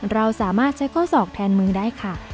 เราสามารถใช้ข้อศอกแทนมือได้ค่ะ